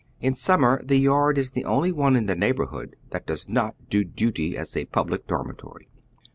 In summer the yard is the only one in the neighborhood that does not do duty as a public dormitory.